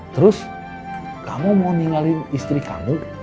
terus kamu mau ninggalin istri kamu